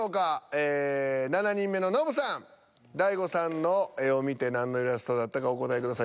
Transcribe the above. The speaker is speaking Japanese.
ええ７人目のノブさん大悟さんの絵を見て何のイラストだったかお答えください。